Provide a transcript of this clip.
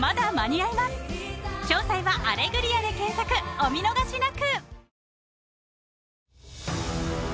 ［お見逃しなく！］